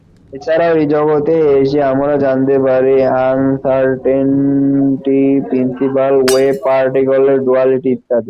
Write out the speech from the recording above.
এছাড়া এই জগতে এসে আমরা জানতে পারি আনসার্টেনটি প্রিন্সিপাল, ওয়েভ পার্টিকেলের ডুয়ালিটি ইত্যাদি।